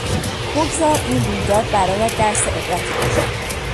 بگذار این رویداد برایت درس عبرتی باشد!